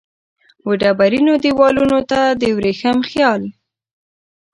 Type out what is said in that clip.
وډبرینو دیوالونو ته د وریښم خیال